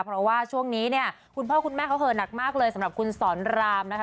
เพราะว่าช่วงนี้เนี่ยคุณพ่อคุณแม่เขาเหอะหนักมากเลยสำหรับคุณสอนรามนะคะ